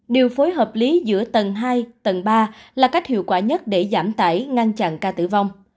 điều phối hợp lý giữa tầng hai tầng ba là cách hiệu quả nhất để giảm tải ngăn chặn ca tử vong